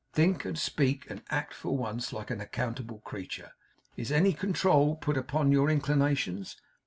Think, and speak, and act, for once, like an accountable creature. Is any control put upon your inclinations?